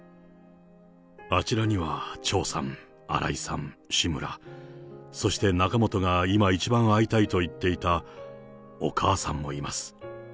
あちらには長さん、荒井さん、志村、そして仲本が今一番会いたいと言っていたお母さんもいます。